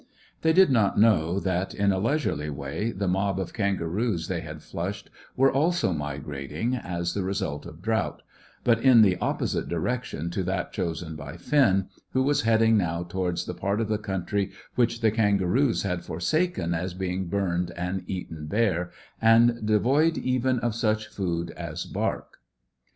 They did not know that, in a leisurely way, the mob of kangaroos they had flushed were also migrating, as the result of drought but in the opposite direction to that chosen by Finn, who was heading now towards the part of the country which the kangaroos had forsaken as being burned and eaten bare, and devoid even of such food as bark.